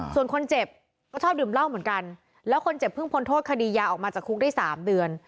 ส่วนคนเจ็บก็ชอบดื่มเหล้าเหมือนกันแล้วคนเจ็บเพิ่งพ้นโทษคดียาออกมาจากคุกได้๓เดือน